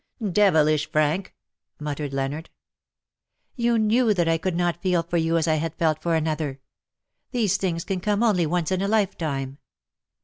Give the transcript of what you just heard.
" Devilish frank," muttered Leonard. ^' You knew that I could not feel for you as I had felt for another. These things can come only once in a lifetime.